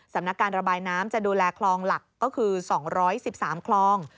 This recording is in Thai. สำนักการระบายน้ำจะดูแลคลองหลักก็คือ๒๑๓คลอง